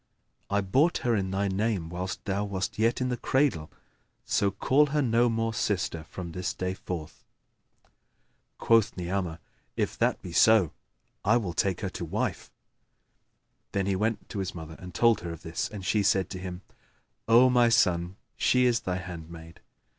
I bought her in thy name whilst thou wast yet in the cradle; so call her no more sister from this day forth." Quoth Ni'amah, "If that be so, I will take her to wife." Then he went to his mother and told her of this, and she said to him, "O my son, she is thy handmaid."